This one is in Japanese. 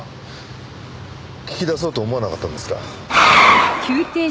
聞き出そうと思わなかったんですか？